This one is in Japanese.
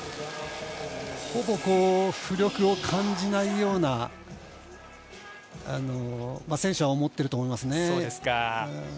ほぼ浮力を感じないような選手は思っていると思いますね。